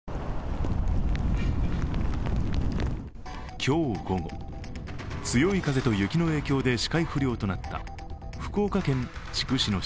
今日午後、強い風と雪の影響で視界不良となった福岡県筑紫野市。